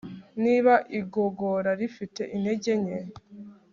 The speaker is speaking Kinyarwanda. Niba igogora rifite intege nke